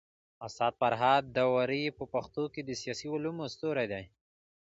استاد فرهاد داوري په پښتو کي د سياسي علومو ستوری دی.